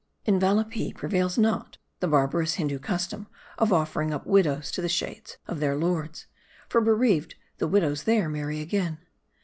In Valapee, prevails not the barbarous Hindoo custom of offering up widows to the shades of their lords ; for, be reaved, the widows there marry again.